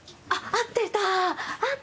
合ってた。